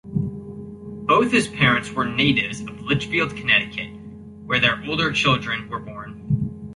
Both his parents were natives of Litchfield, Connecticut, where their older children were born.